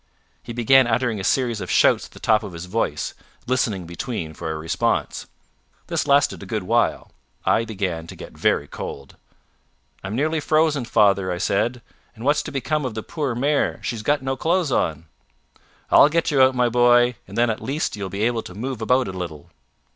He began uttering a series of shouts at the top of his voice, listening between for a response. This lasted a good while. I began to get very cold. "I'm nearly frozen, father," I said, "and what's to become of the poor mare she's got no clothes on?" "I'll get you out, my boy; and then at least you will be able to move about a little."